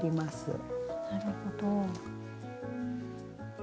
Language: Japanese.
なるほど。